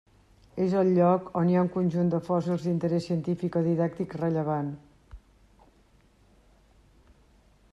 És el lloc on hi ha un conjunt de fòssils d'interés científic o didàctic rellevant.